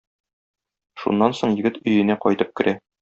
Шуннан соң егет өенә кайтып керә.